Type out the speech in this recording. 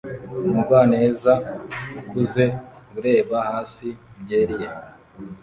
Umugwaneza ukuze ureba hasi byeri ye